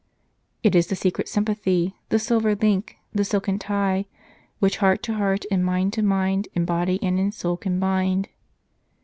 " It is the secret sympathy, The silver link, the silken tie, Which heart to heart and mind to mind In body and in soul can bind."